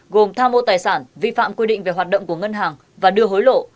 gồm tha mô tài sản vi phạm quy định về hoạt động của ngân hàng và đưa hối lộ